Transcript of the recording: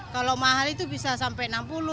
kalau mahal itu bisa sampai enam puluh lima puluh